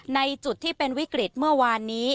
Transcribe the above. ในจุดที่เป็นวิกฤตเมื่อวานนี้